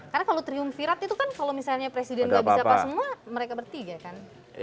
karena kalau triumvirat itu kan kalau misalnya presiden gak bisa pas semua mereka bertiga kan